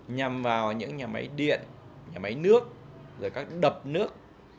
nhằm vào những nhà máy điện nhà máy nước rồi các đập nước